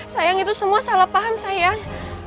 sayang itu semua salah paham sayang